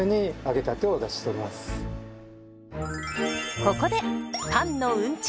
ここでパンのうんちく